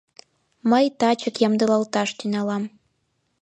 Мый тачак ямдылалташ тӱҥалам.